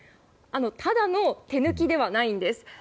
ただの手抜きではないんです。